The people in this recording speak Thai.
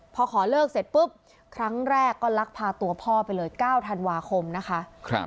พอขอเลิกเสร็จปุ๊บครั้งแรกก็ลักพาตัวพ่อไปเลย๙ธันวาคมนะคะ